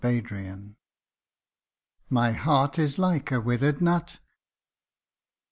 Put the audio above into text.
178 MY HEART IS LIKE A WITHERED NUT !